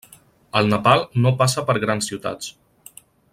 Al Nepal no passa per grans ciutats.